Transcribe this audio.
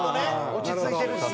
落ち着いてるし。